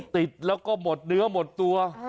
ติดแล้วก็หมดเนื้อหมดตัว